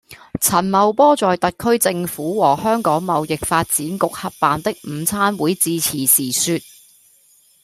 陳茂波在特區政府和香港貿易發展局合辦的午餐會致辭時說